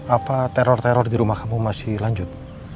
apa teror teror di rumah kamu masih lanjut